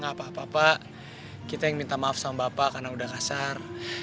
gak apa apa pak kita yang minta maaf sama bapak karena udah kasar